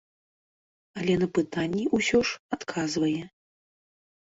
Але на пытанні ўсё ж адказвае.